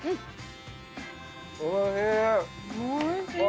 おいしい！